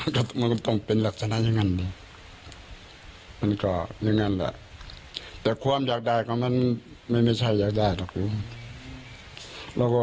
มันก็ต้องเป็นลักษณะอย่างนั้นดีมันก็อย่างนั้นแหละแต่ความอยากได้ก็มันไม่ใช่อยากได้หรอกอยู่